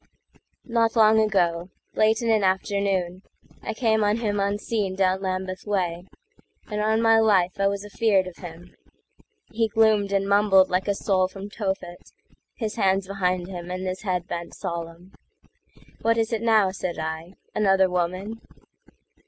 Not long ago, late in an afternoon,I came on him unseen down Lambeth way, And on my life I was afear'd of him:He gloomed and mumbled like a soul from Tophet, His hands behind him and his head bent solemn."What is it now," said I,—"another woman?"